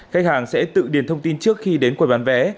khách hàng sẽ tự điền thông tin trước khi đến quầy bán vé